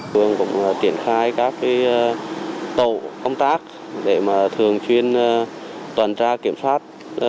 phương cũng triển khai các tổ công tác để thường chuyên toàn tra kiểm soát